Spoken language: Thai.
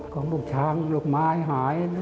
ของลูกช้างลูกไม้หาย